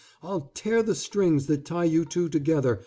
I'll tear the strings that tie you two together.